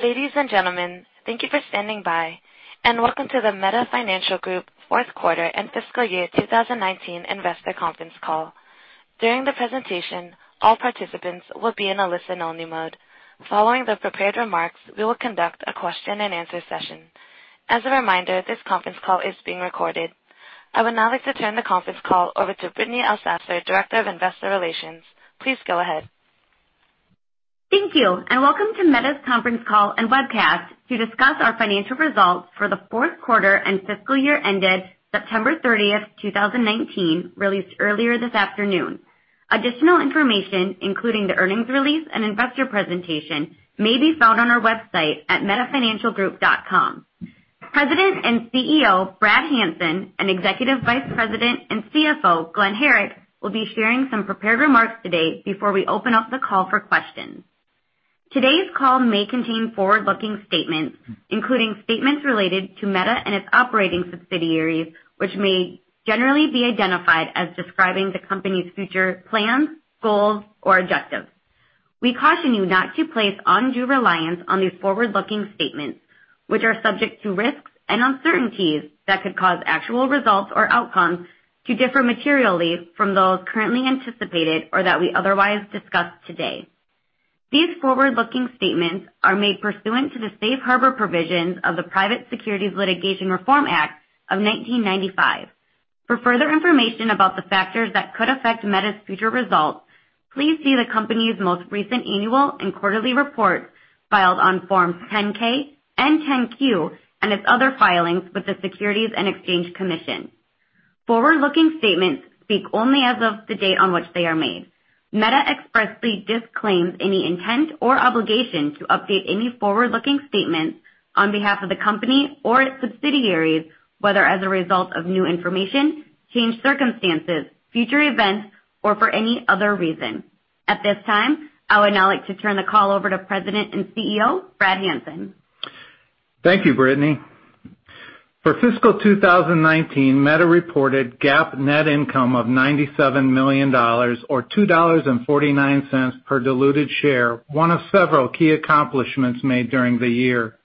Ladies and gentlemen, thank you for standing by and welcome to the Meta Financial Group fourth quarter and fiscal year 2019 investor conference call. During the presentation, all participants will be in a listen-only mode. Following the prepared remarks, we will conduct a question and answer session. As a reminder, this conference call is being recorded. I would now like to turn the conference call over to Brittany Elsasser, Director of Investor Relations. Please go ahead. Thank you, and welcome to Meta's conference call and webcast to discuss our financial results for the fourth quarter and fiscal year ended September 30th, 2019, released earlier this afternoon. Additional information, including the earnings release and investor presentation, may be found on our website at metafinancialgroup.com. President and CEO, Brad Hanson, and Executive Vice President and CFO, Glen Herrick, will be sharing some prepared remarks today before we open up the call for questions. Today's call may contain forward-looking statements, including statements related to Meta and its operating subsidiaries, which may generally be identified as describing the company's future plans, goals, or objectives. We caution you not to place undue reliance on these forward-looking statements, which are subject to risks and uncertainties that could cause actual results or outcomes to differ materially from those currently anticipated or that we otherwise discuss today. These forward-looking statements are made pursuant to the safe harbor provisions of the Private Securities Litigation Reform Act of 1995. For further information about the factors that could affect Meta's future results, please see the company's most recent annual and quarterly reports filed on Forms 10-K and 10-Q and its other filings with the Securities and Exchange Commission. Forward-looking statements speak only as of the date on which they are made. Meta expressly disclaims any intent or obligation to update any forward-looking statements on behalf of the company or its subsidiaries, whether as a result of new information, changed circumstances, future events, or for any other reason. At this time, I would now like to turn the call over to President and CEO, Brad Hanson. Thank you, Brittany. For fiscal 2019, Meta reported GAAP net income of $97 million or $2.49 per diluted share, one of several key accomplishments made during the year.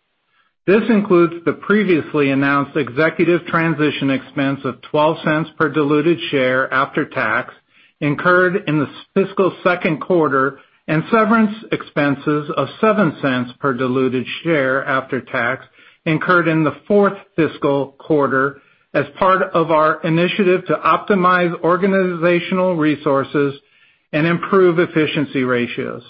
This includes the previously announced executive transition expense of $0.12 per diluted share after tax incurred in the fiscal second quarter, and severance expenses of $0.07 per diluted share after tax incurred in the fourth fiscal quarter as part of our initiative to optimize organizational resources and improve efficiency ratios.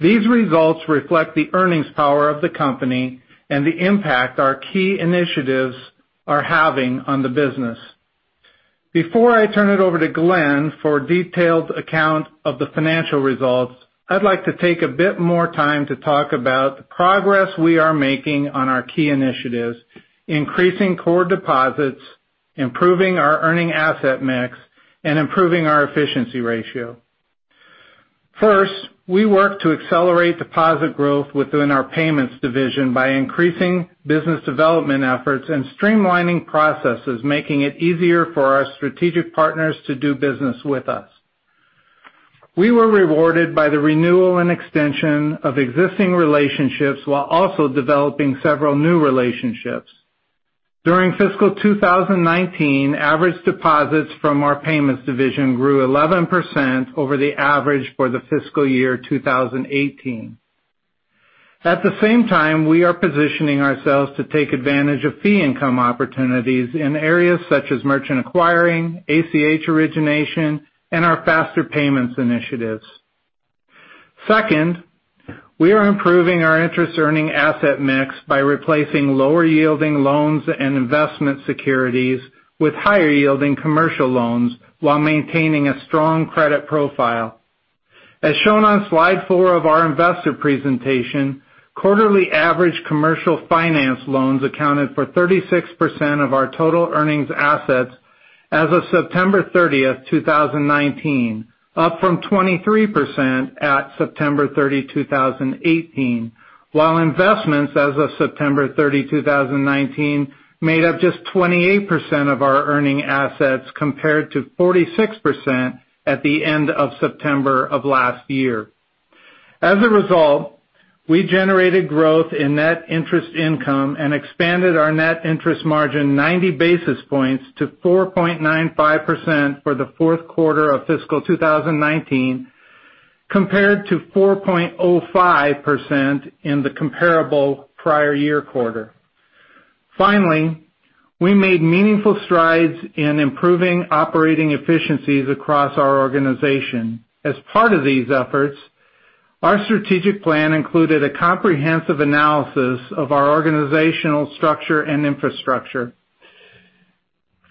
These results reflect the earnings power of the company and the impact our key initiatives are having on the business. Before I turn it over to Glen for a detailed account of the financial results, I'd like to take a bit more time to talk about the progress we are making on our key initiatives, increasing core deposits, improving our earning asset mix, and improving our efficiency ratio. First, we work to accelerate deposit growth within our payments division by increasing business development efforts and streamlining processes, making it easier for our strategic partners to do business with us. We were rewarded by the renewal and extension of existing relationships while also developing several new relationships. During fiscal 2019, average deposits from our payments division grew 11% over the average for the fiscal year 2018. At the same time, we are positioning ourselves to take advantage of fee income opportunities in areas such as merchant acquiring, ACH origination, and our faster payments initiatives. Second, we are improving our interest-earning asset mix by replacing lower-yielding loans and investment securities with higher-yielding commercial loans while maintaining a strong credit profile. As shown on slide four of our investor presentation, quarterly average commercial finance loans accounted for 36% of our total earnings assets as of September 30, 2019, up from 23% at September 30, 2018. While investments as of September 30, 2019, made up just 28% of our earning assets compared to 46% at the end of September of last year. As a result, we generated growth in net interest income and expanded our net interest margin 90 basis points to 4.95% for the fourth quarter of fiscal 2019 compared to 4.05% in the comparable prior year quarter. Finally, we made meaningful strides in improving operating efficiencies across our organization. As part of these efforts, our strategic plan included a comprehensive analysis of our organizational structure and infrastructure.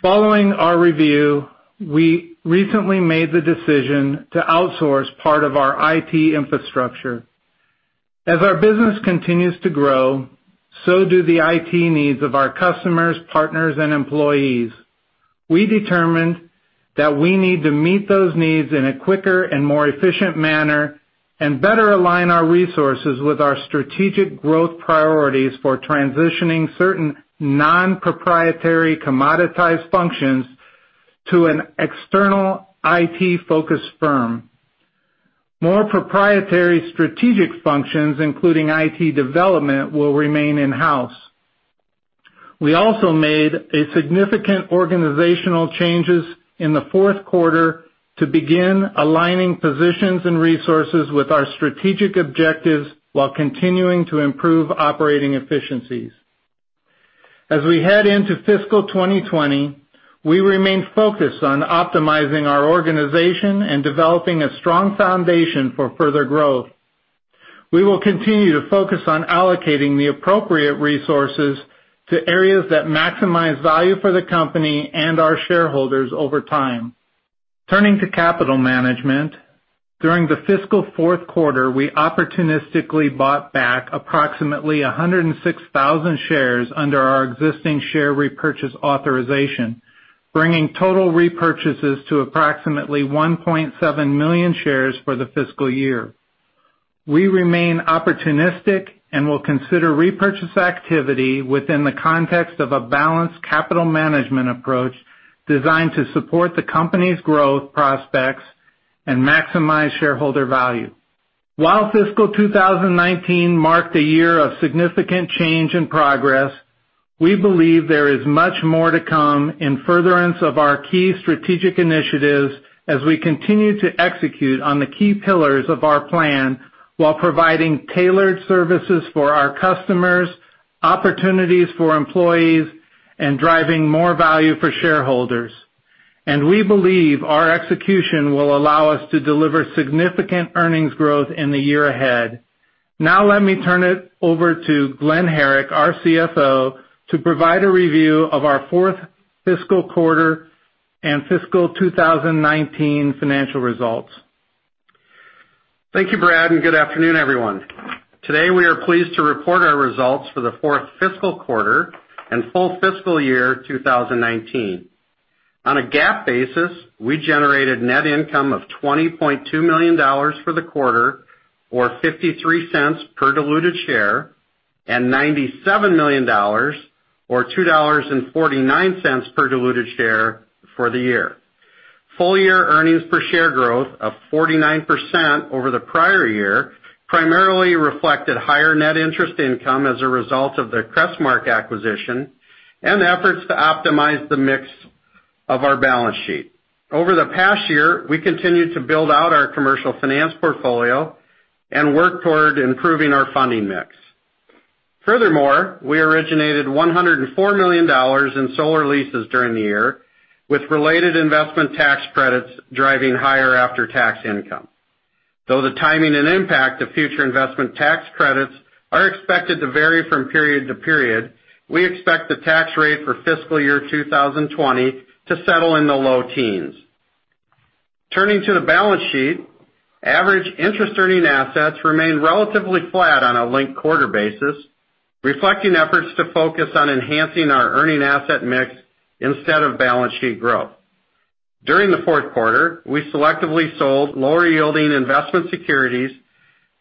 Following our review, we recently made the decision to outsource part of our IT infrastructure. As our business continues to grow, so do the IT needs of our customers, partners, and employees. We determined that we need to meet those needs in a quicker and more efficient manner and better align our resources with our strategic growth priorities for transitioning certain non-proprietary commoditized functions to an external IT-focused firm. More proprietary strategic functions, including IT development, will remain in-house. We also made significant organizational changes in the fourth quarter to begin aligning positions and resources with our strategic objectives while continuing to improve operating efficiencies. As we head into fiscal 2020, we remain focused on optimizing our organization and developing a strong foundation for further growth. We will continue to focus on allocating the appropriate resources to areas that maximize value for the company and our shareholders over time. Turning to capital management. During the fiscal fourth quarter, we opportunistically bought back approximately 106,000 shares under our existing share repurchase authorization, bringing total repurchases to approximately 1.7 million shares for the fiscal year. We remain opportunistic and will consider repurchase activity within the context of a balanced capital management approach designed to support the company's growth prospects and maximize shareholder value. While fiscal 2019 marked a year of significant change and progress, we believe there is much more to come in furtherance of our key strategic initiatives as we continue to execute on the key pillars of our plan while providing tailored services for our customers, opportunities for employees, and driving more value for shareholders. We believe our execution will allow us to deliver significant earnings growth in the year ahead. Let me turn it over to Glen Herrick, our CFO, to provide a review of our fourth fiscal quarter and fiscal 2019 financial results. Thank you, Brad, and good afternoon, everyone. Today, we are pleased to report our results for the fourth fiscal quarter and full fiscal year 2019. On a GAAP basis, we generated net income of $20.2 million for the quarter, or $0.53 per diluted share, and $97 million, or $2.49 per diluted share for the year. Full-year earnings per share growth of 49% over the prior year primarily reflected higher net interest income as a result of the Crestmark acquisition and efforts to optimize the mix of our balance sheet. Over the past year, we continued to build out our commercial finance portfolio and work toward improving our funding mix. Furthermore, we originated $104 million in solar leases during the year with related investment tax credits driving higher after-tax income. Though the timing and impact of future investment tax credits are expected to vary from period to period, we expect the tax rate for fiscal year 2020 to settle in the low teens. Turning to the balance sheet, average interest-earning assets remained relatively flat on a linked-quarter basis, reflecting efforts to focus on enhancing our earning asset mix instead of balance sheet growth. During the fourth quarter, we selectively sold lower-yielding investment securities,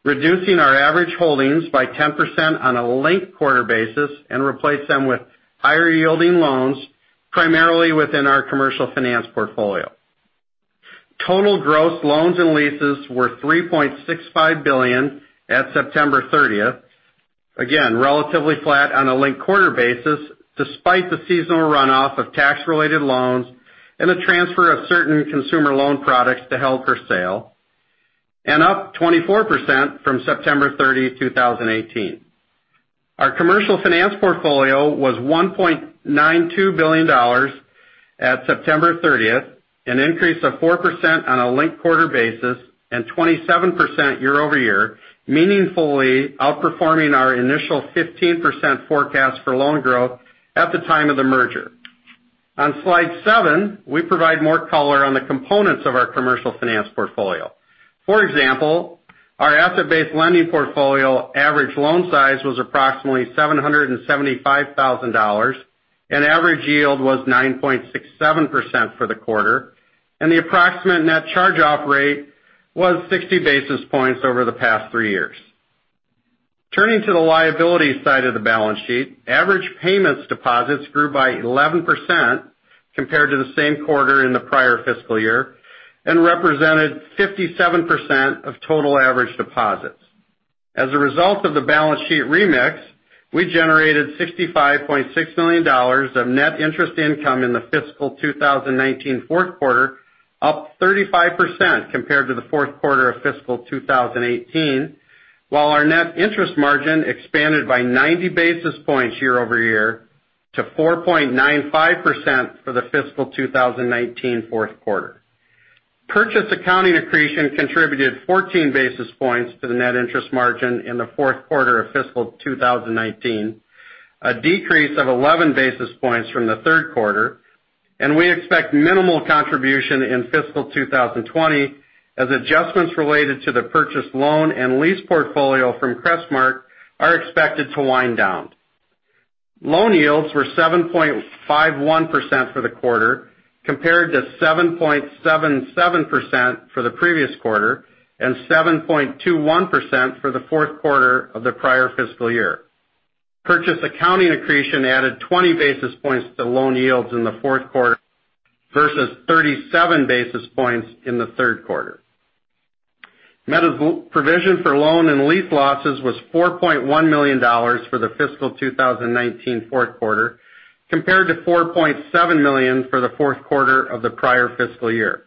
reducing our average holdings by 10% on a linked-quarter basis, and replaced them with higher-yielding loans, primarily within our commercial finance portfolio. Total gross loans and leases were $3.65 billion at September 30th. Again, relatively flat on a linked-quarter basis, despite the seasonal runoff of tax-related loans and the transfer of certain consumer loan products to held for sale, and up 24% from September 30, 2018. Our commercial finance portfolio was $1.92 billion at September 30th, an increase of 4% on a linked-quarter basis and 27% year-over-year, meaningfully outperforming our initial 15% forecast for loan growth at the time of the merger. On slide seven, we provide more color on the components of our commercial finance portfolio. For example, our asset-based lending portfolio average loan size was approximately $775,000, and average yield was 9.67% for the quarter, and the approximate net charge-off rate was 60 basis points over the past three years. Turning to the liability side of the balance sheet, average payments deposits grew by 11% compared to the same quarter in the prior fiscal year and represented 57% of total average deposits. As a result of the balance sheet remix, we generated $65.6 million of net interest income in the fiscal 2019 fourth quarter, up 35% compared to the fourth quarter of fiscal 2018, while our net interest margin expanded by 90 basis points year-over-year to 4.95% for the fiscal 2019 fourth quarter. Purchase accounting accretion contributed 14 basis points to the net interest margin in the fourth quarter of fiscal 2019, a decrease of 11 basis points from the third quarter, and we expect minimal contribution in fiscal 2020 as adjustments related to the purchased loan and lease portfolio from Crestmark are expected to wind down. Loan yields were 7.51% for the quarter, compared to 7.77% for the previous quarter and 7.21% for the fourth quarter of the prior fiscal year. Purchase accounting accretion added 20 basis points to loan yields in the fourth quarter versus 37 basis points in the third quarter. Meta's provision for loan and lease losses was $4.1 million for the fiscal 2019 fourth quarter, compared to $4.7 million for the fourth quarter of the prior fiscal year.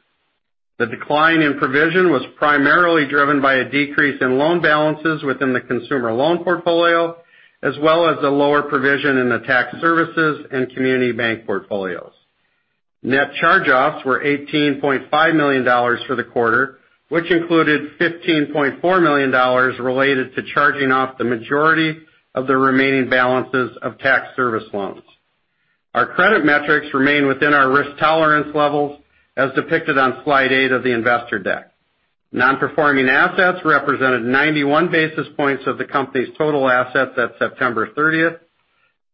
The decline in provision was primarily driven by a decrease in loan balances within the consumer loan portfolio, as well as a lower provision in the tax services and community bank portfolios. Net charge-offs were $18.5 million for the quarter, which included $15.4 million related to charging off the majority of the remaining balances of tax service loans. Our credit metrics remain within our risk tolerance levels, as depicted on slide eight of the investor deck. Non-performing assets represented 91 basis points of the company's total assets at September 30th.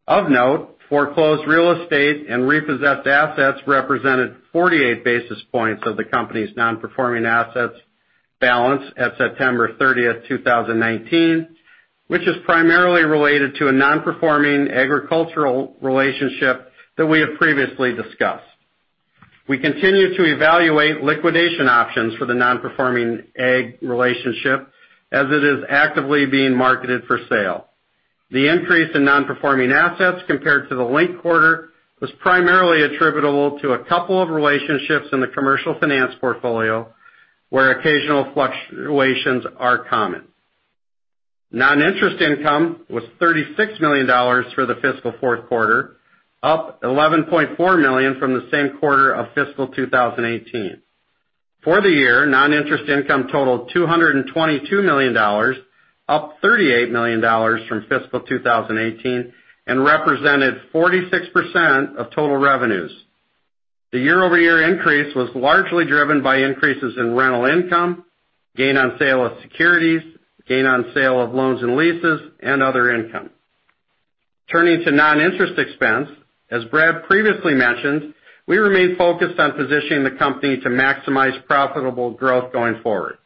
Of note, foreclosed real estate and repossessed assets represented 48 basis points of the company's non-performing assets balance at September 30th, 2019, which is primarily related to a non-performing ag relationship that we have previously discussed. We continue to evaluate liquidation options for the non-performing ag relationship as it is actively being marketed for sale. The increase in non-performing assets compared to the linked quarter was primarily attributable to a couple of relationships in the commercial finance portfolio, where occasional fluctuations are common. Non-interest income was $36 million for the fiscal fourth quarter, up $11.4 million from the same quarter of fiscal 2018. For the year, non-interest income totaled $222 million, up $38 million from fiscal 2018 and represented 46% of total revenues. The year-over-year increase was largely driven by increases in rental income, gain on sale of securities, gain on sale of loans and leases, and other income. Turning to non-interest expense, as Brad previously mentioned, we remain focused on positioning the company to maximize profitable growth going forward.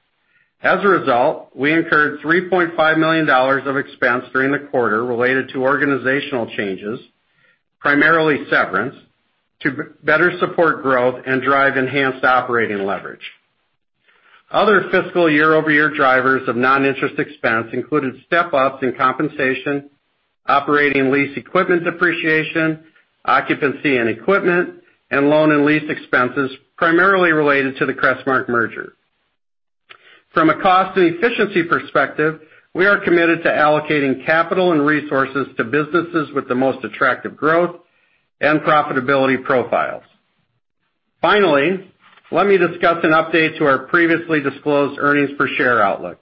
As a result, we incurred $3.5 million of expense during the quarter related to organizational changes, primarily severance, to better support growth and drive enhanced operating leverage. Other fiscal year-over-year drivers of non-interest expense included step-ups in compensation, operating lease equipment depreciation, occupancy and equipment, and loan and lease expenses primarily related to the Crestmark merger. From a cost and efficiency perspective, we are committed to allocating capital and resources to businesses with the most attractive growth and profitability profiles. Finally, let me discuss an update to our previously disclosed earnings per share outlook.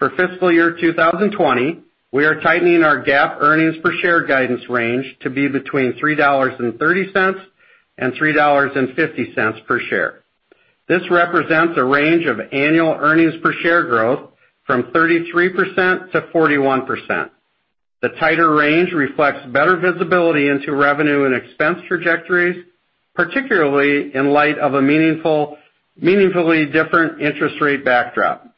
For fiscal year 2020, we are tightening our GAAP earnings per share guidance range to be between $3.30 and $3.50 per share. This represents a range of annual earnings per share growth from 33%-41%. The tighter range reflects better visibility into revenue and expense trajectories, particularly in light of a meaningfully different interest rate backdrop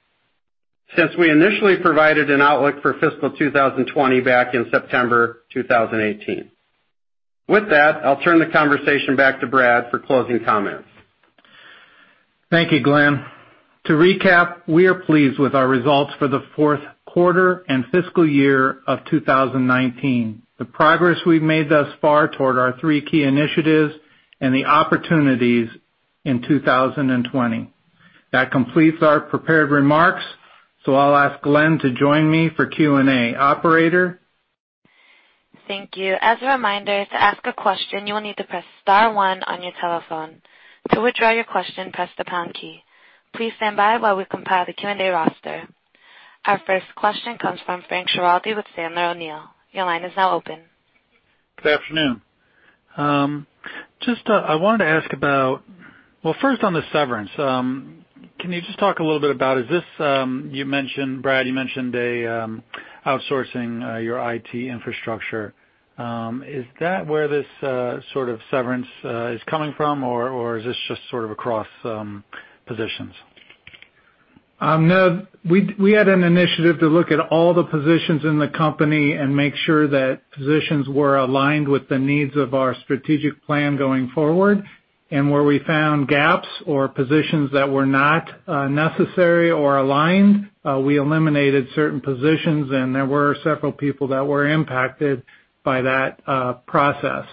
since we initially provided an outlook for fiscal 2020 back in September 2018. With that, I'll turn the conversation back to Brad for closing comments. Thank you, Glen. To recap, we are pleased with our results for the fourth quarter and fiscal year of 2019, the progress we've made thus far toward our three key initiatives, and the opportunities in 2020. That completes our prepared remarks, so I'll ask Glen to join me for Q&A. Operator? Thank you. As a reminder, to ask a question, you will need to press *1 on your telephone. To withdraw your question, press the # key. Please stand by while we compile the Q&A roster. Our first question comes from Frank Schiraldi with Sandler O'Neill. Your line is now open. Good afternoon. I wanted to ask, well, first on the severance. Can you just talk a little bit about, Brad, you mentioned outsourcing your IT infrastructure. Is that where this sort of severance is coming from, or is this just sort of across positions? No. We had an initiative to look at all the positions in the company and make sure that positions were aligned with the needs of our strategic plan going forward. Where we found gaps or positions that were not necessary or aligned, we eliminated certain positions, and there were several people that were impacted by that process.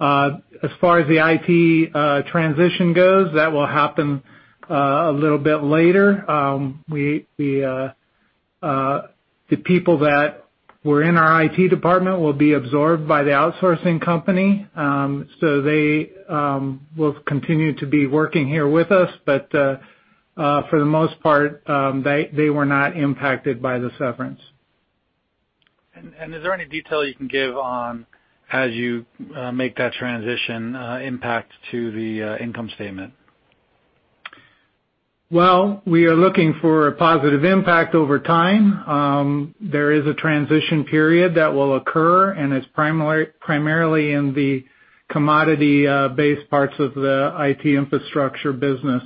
As far as the IT transition goes, that will happen a little bit later. The people that were in our IT department will be absorbed by the outsourcing company. They will continue to be working here with us. For the most part, they were not impacted by the severance. Is there any detail you can give on as you make that transition impact to the income statement? We are looking for a positive impact over time. There is a transition period that will occur, and it's primarily in the commodity-based parts of the IT infrastructure business.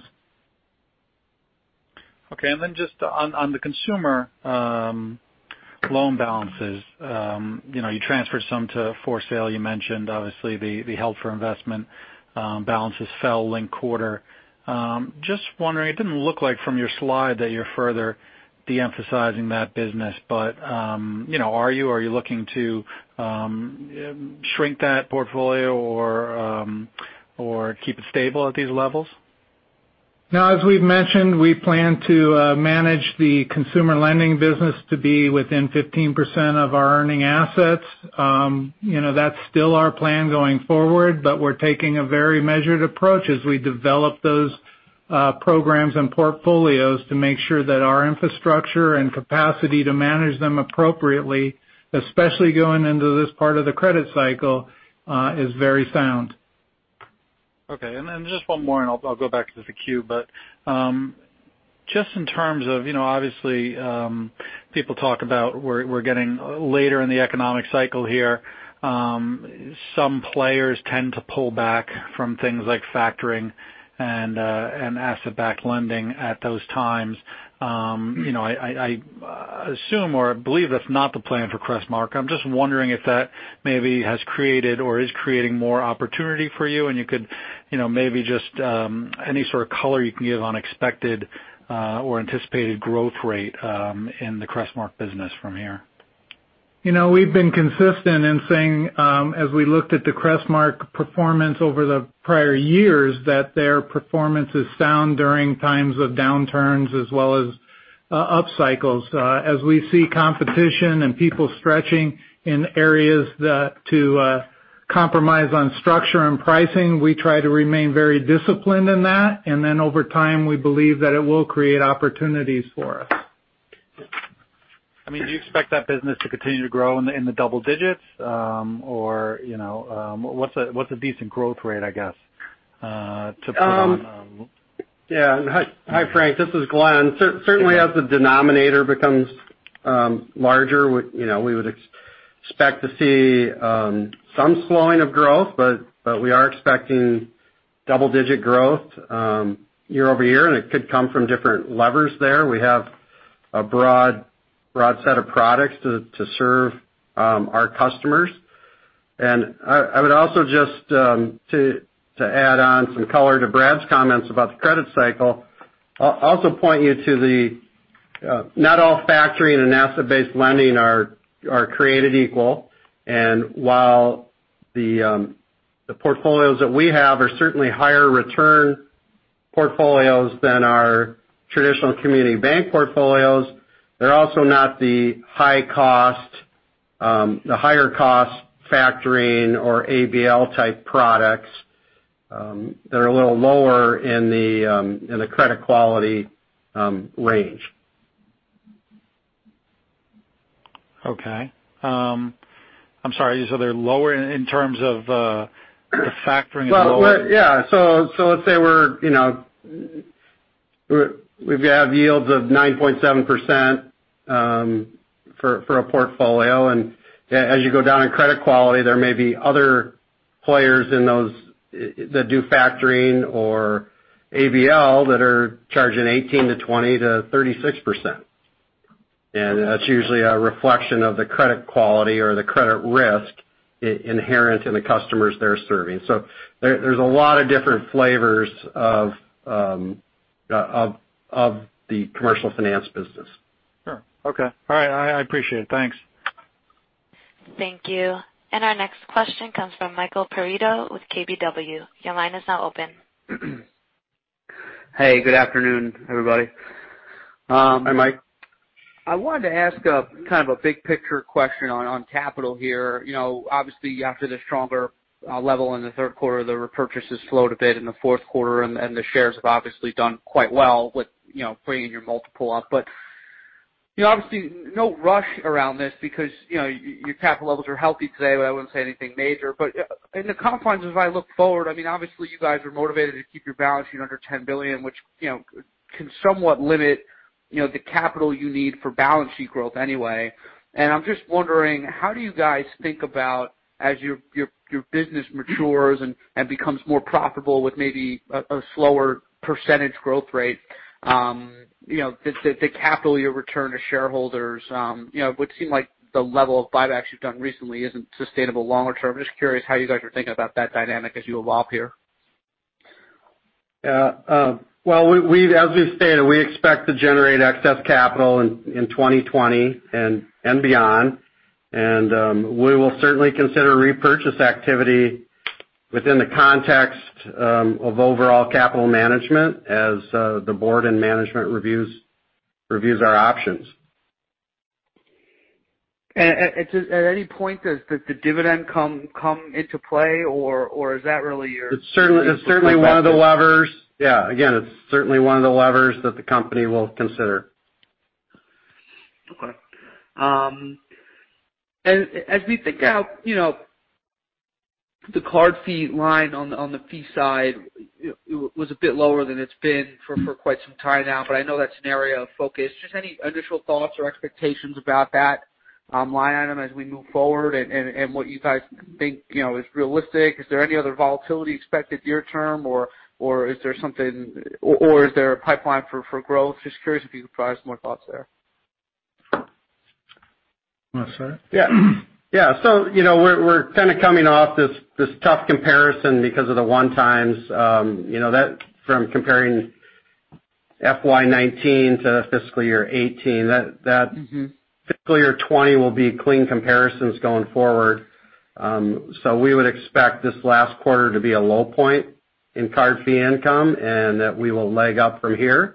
Okay. Just on the consumer loan balances. You transferred some to for sale, you mentioned obviously the held for investment balances fell linked quarter. Just wondering, it didn't look like from your slide that you're further de-emphasizing that business. Are you? Are you looking to shrink that portfolio or keep it stable at these levels? As we've mentioned, we plan to manage the consumer lending business to be within 15% of our earning assets. That's still our plan going forward, but we're taking a very measured approach as we develop those programs and portfolios to make sure that our infrastructure and capacity to manage them appropriately, especially going into this part of the credit cycle, is very sound. Okay. Just one more, and I'll go back to the queue. Just in terms of, obviously, people talk about we're getting later in the economic cycle here. Some players tend to pull back from things like factoring and asset-backed lending at those times. I assume or believe that's not the plan for Crestmark. I'm just wondering if that maybe has created or is creating more opportunity for you, and you could maybe just any sort of color you can give on expected or anticipated growth rate in the Crestmark business from here. We've been consistent in saying as we looked at the Crestmark performance over the prior years, that their performance is sound during times of downturns as well as up cycles. As we see competition and people stretching in areas to compromise on structure and pricing, we try to remain very disciplined in that. Over time, we believe that it will create opportunities for us. Do you expect that business to continue to grow in the double digits? Or what's a decent growth rate, I guess, to put on? Yeah. Hi, Frank. This is Glen. Certainly, as the denominator becomes larger, we would expect to see some slowing of growth, but we are expecting double-digit growth year-over-year. It could come from different levers there. We have a broad set of products to serve our customers. I would also just to add on some color to Brad's comments about the credit cycle, I'll also point you to the not all factoring and asset-based lending are created equal. While the portfolios that we have are certainly higher return portfolios than our traditional community bank portfolios, they're also not the higher cost factoring or ABL-type products that are a little lower in the credit quality range. Okay. I'm sorry. You said they're lower in terms of the factoring- Yeah. Let's say we have yields of 9.7% for a portfolio, and as you go down in credit quality, there may be other players in those that do factoring or ABL that are charging 18% to 20% to 36%. That's usually a reflection of the credit quality or the credit risk inherent in the customers they're serving. There's a lot of different flavors of the commercial finance business. Sure. Okay. All right. I appreciate it. Thanks. Thank you. Our next question comes from Michael Perito with KBW. Your line is now open. Hey, good afternoon, everybody. Hi, Mike. I wanted to ask kind of a big picture question on capital here. Obviously, after the stronger level in the third quarter, the repurchases slowed a bit in the fourth quarter, and the shares have obviously done quite well with bringing your multiple up. Obviously, no rush around this because your capital levels are healthy today, but I wouldn't say anything major. In the confines, as I look forward, obviously, you guys are motivated to keep your balance sheet under $10 billion, which can somewhat limit the capital you need for balance sheet growth anyway. I'm just wondering, how do you guys think about as your business matures and becomes more profitable with maybe a slower % growth rate the capital you return to shareholders? It would seem like the level of buybacks you've done recently isn't sustainable longer term. Just curious how you guys are thinking about that dynamic as you evolve here? Yeah. Well, as we've stated, we expect to generate excess capital in 2020 and beyond. We will certainly consider repurchase activity within the context of overall capital management as the board and management reviews our options. At any point, does the dividend come into play, or is that really your. It's certainly one of the levers. Yeah. Again, it's certainly one of the levers that the company will consider. Okay. As we think out the card fee line on the fee side was a bit lower than it's been for quite some time now. I know that's an area of focus. Just any initial thoughts or expectations about that line item as we move forward and what you guys think is realistic. Is there any other volatility expected near-term, or is there a pipeline for growth? Just curious if you could provide us more thoughts there. You want to answer? Yeah. We're kind of coming off this tough comparison because of the one-time from comparing FY 2019 to fiscal year 2018. Fiscal year 2020 will be clean comparisons going forward. We would expect this last quarter to be a low point in card fee income, and that we will leg up from here.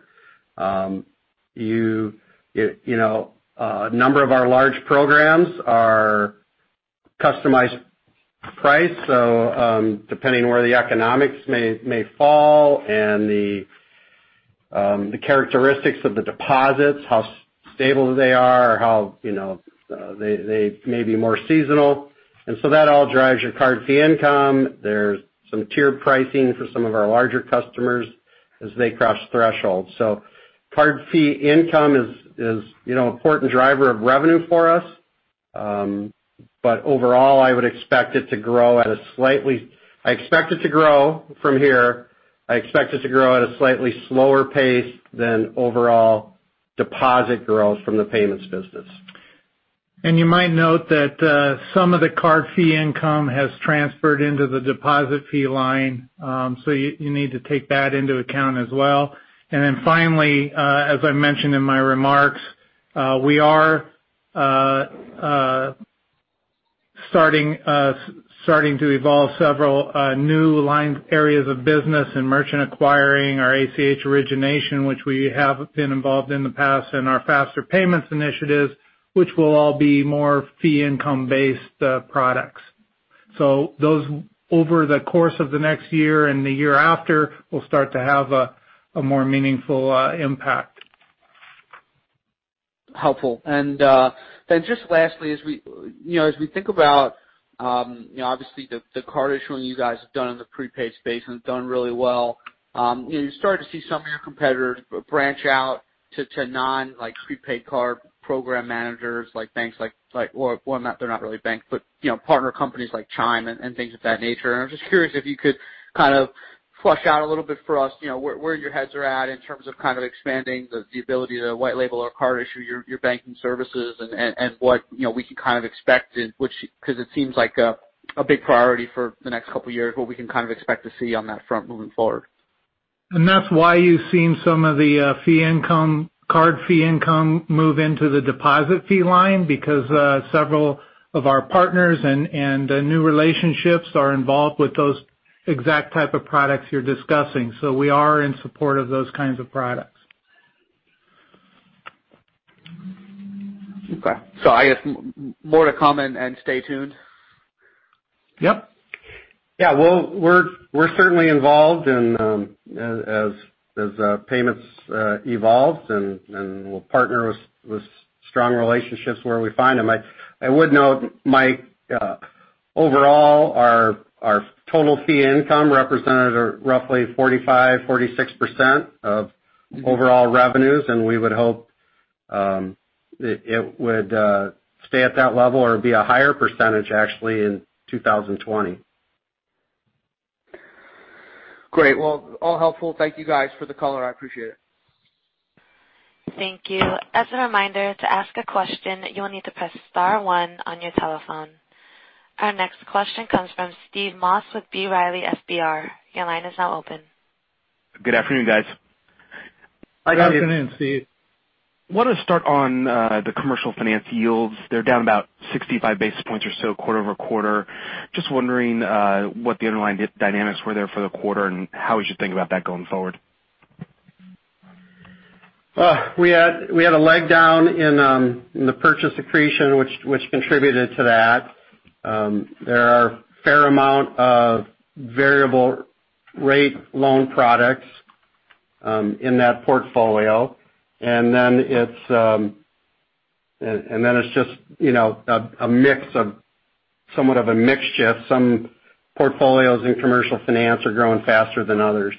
A number of our large programs are customized price, so depending where the economics may fall and the characteristics of the deposits, how stable they are, or how they may be more seasonal, that all drives your card fee income. There's some tiered pricing for some of our larger customers as they cross thresholds. Card fee income is an important driver of revenue for us. Overall, I expect it to grow from here. I expect it to grow at a slightly slower pace than overall deposit growth from the payments business. You might note that some of the card fee income has transferred into the deposit fee line. You need to take that into account as well. Finally, as I mentioned in my remarks, we are starting to evolve several new line areas of business in merchant acquiring, our ACH origination, which we have been involved in the past, and our faster payments initiatives, which will all be more fee income-based products. Those, over the course of the next year and the year after, will start to have a more meaningful impact. Helpful. Then just lastly, as we think about, obviously the card issuing you guys have done in the prepaid space and done really well. You're starting to see some of your competitors branch out to non-prepaid card program managers, like banks like-- well, they're not really banks, but partner companies like Chime and things of that nature. I'm just curious if you could kind of flesh out a little bit for us, where your heads are at in terms of kind of expanding the ability to white label or card issue your banking services and what we can kind of expect, because it seems like a big priority for the next couple of years, what we can kind of expect to see on that front moving forward? That's why you've seen some of the card fee income move into the deposit fee line because several of our partners and new relationships are involved with those exact type of products you're discussing. We are in support of those kinds of products. Okay. I guess more to come and stay tuned? Yep. Yeah. We're certainly involved as payments evolve, we'll partner with strong relationships where we find them. I would note, Mike, overall, our total fee income represented roughly 45%, 46% of overall revenues, we would hope it would stay at that level or be a higher percentage actually in 2020. Great. Well, all helpful. Thank you guys for the color. I appreciate it. Thank you. As a reminder, to ask a question, you will need to press star one on your telephone. Our next question comes from Steve Moss with B. Riley FBR. Your line is now open. Good afternoon, guys. Good afternoon, Steve. Hi Steve. wanted to start on the commercial finance yields. They're down about 65 basis points or so quarter-over-quarter. Just wondering what the underlying dynamics were there for the quarter and how we should think about that going forward. We had a leg down in the purchase accretion, which contributed to that. There are a fair amount of variable rate loan products in that portfolio. It's just somewhat of a mix shift. Some portfolios in commercial finance are growing faster than others.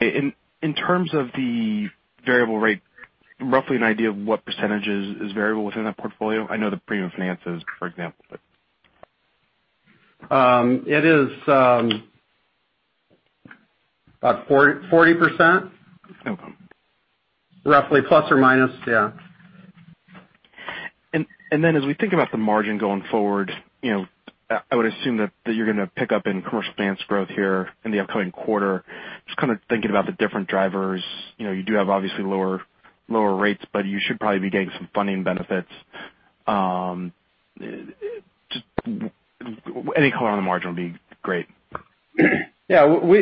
In terms of the variable rate, roughly an idea of what percentage is variable within that portfolio? I know the premium finance is, for example. It is about 40%. Okay. Roughly, plus or minus. Yeah. As we think about the margin going forward, I would assume that you're going to pick up in commercial finance growth here in the upcoming quarter. Just kind of thinking about the different drivers. You do have obviously lower rates, but you should probably be getting some funding benefits. Just any color on the margin would be great. Yeah. We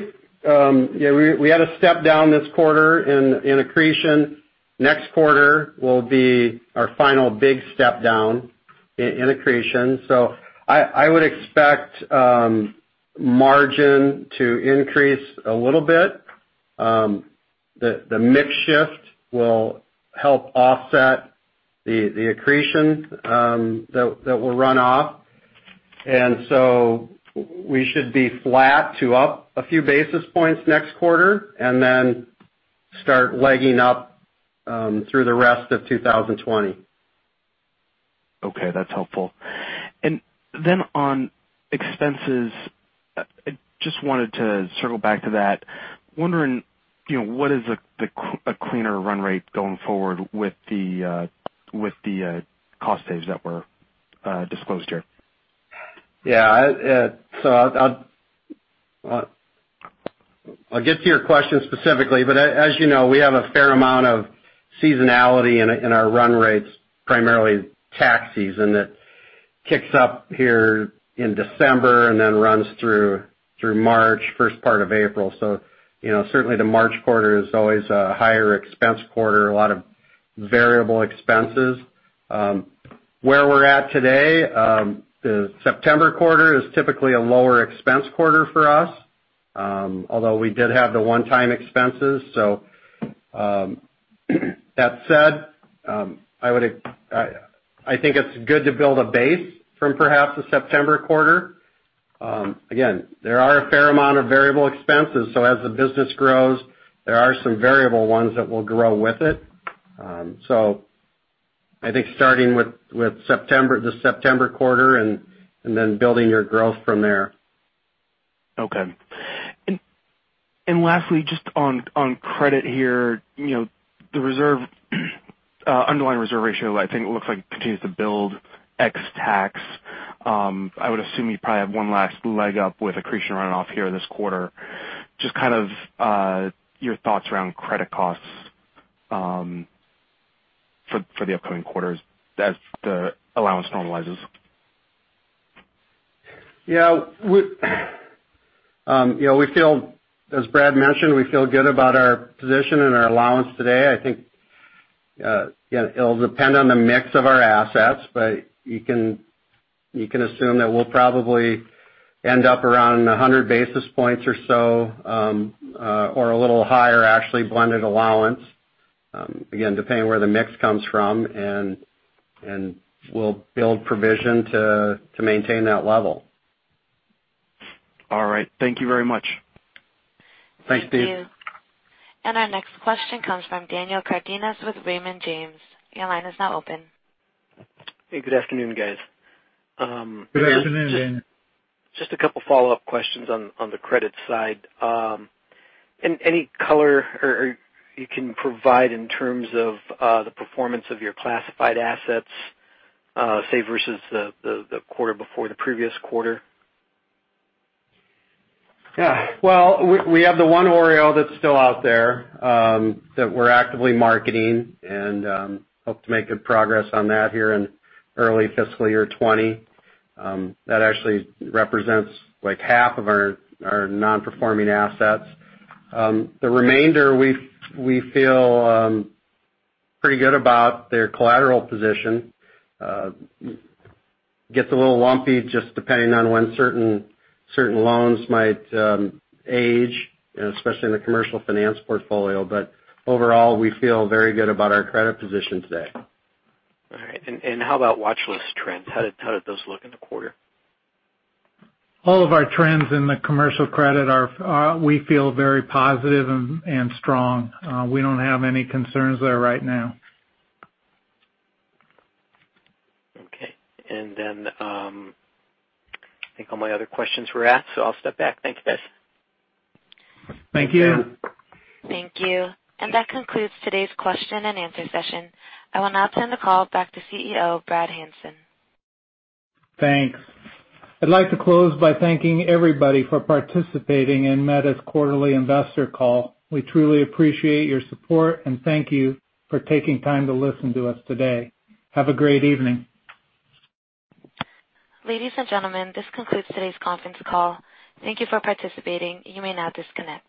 had a step down this quarter in accretion. Next quarter will be our final big step down in accretion. I would expect margin to increase a little bit. The mix shift will help offset the accretion that will run off. We should be flat to up a few basis points next quarter, and then start legging up through the rest of 2020. Okay, that's helpful. On expenses, I just wanted to circle back to that. Wondering, what is a cleaner run rate going forward with the cost saves that were disclosed here? I'll get to your question specifically, but as you know, we have a fair amount of seasonality in our run rates, primarily tax season, that kicks up here in December and then runs through March, first part of April. Certainly the March quarter is always a higher expense quarter, a lot of variable expenses. Where we're at today, the September quarter is typically a lower expense quarter for us. Although we did have the one-time expenses. That said, I think it's good to build a base from perhaps the September quarter. Again, there are a fair amount of variable expenses, so as the business grows, there are some variable ones that will grow with it. I think starting with the September quarter and then building your growth from there. Okay. Lastly, just on credit here, the underlying reserve ratio, I think looks like it continues to build ex tax. I would assume you probably have one last leg up with accretion runoff here this quarter. Just kind of your thoughts around credit costs for the upcoming quarters as the allowance normalizes. Yeah. As Brad mentioned, we feel good about our position and our allowance today. I think it'll depend on the mix of our assets, but you can assume that we'll probably end up around 100 basis points or so, or a little higher, actually, blended allowance. Again, depending where the mix comes from, and we'll build provision to maintain that level. All right. Thank you very much. Thanks, Steve. Thank you. Our next question comes from Daniel Cardenas with Raymond James. Your line is now open. Hey, good afternoon, guys. Good afternoon, Daniel. Just a couple follow-up questions on the credit side. Any color you can provide in terms of the performance of your classified assets, say, versus the quarter before the previous quarter? Yeah. Well, we have the one OREO that's still out there, that we're actively marketing and hope to make good progress on that here in early fiscal year 2020. That actually represents half of our non-performing assets. The remainder we feel pretty good about their collateral position. Gets a little lumpy just depending on when certain loans might age, especially in the commercial finance portfolio. Overall, we feel very good about our credit position today. All right. How about watchlist trends? How did those look in the quarter? All of our trends in the commercial credit are, we feel, very positive and strong. We don't have any concerns there right now. Okay. I think all my other questions were asked, so I'll step back. Thank you, guys. Thank you. Thank you. That concludes today's question and answer session. I will now turn the call back to CEO, Brad Hanson. Thanks. I'd like to close by thanking everybody for participating in Meta's quarterly investor call. We truly appreciate your support and thank you for taking time to listen to us today. Have a great evening. Ladies and gentlemen, this concludes today's conference call. Thank you for participating. You may now disconnect.